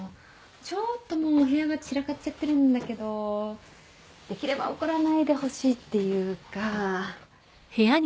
ちょっともうお部屋が散らかっちゃってるんだけどできれば怒らないでほしいっていうか。